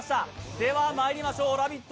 ではまいりましょう、「ラヴィット！」